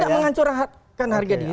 tidak menghancurkan harga diri